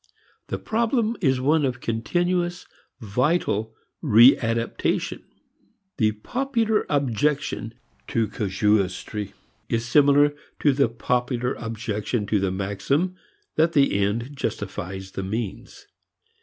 The problem is one of continuous, vital readaptation. The popular objection to casuistry is similar to the popular objection to the maxim that the end justifies the means.